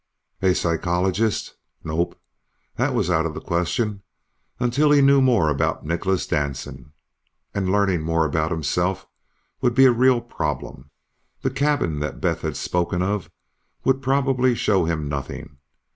A psychologist? Nope. That was out of the question, until he knew more about Nicholas Danson. And learning more about himself would be a real problem. The cabin that Beth had spoken of would probably show him nothing.